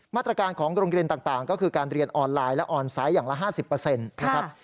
มาตรการของโรงเรียนต่างก็คือการเรียนออนไลน์และออนไซต์อย่างละ๕๐นะครับ